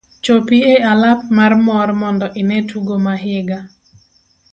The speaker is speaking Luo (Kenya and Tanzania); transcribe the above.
Chopi e alap mar mor mondo ine tugo ma higa.